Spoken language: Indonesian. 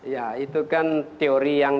ya itu kan teori yang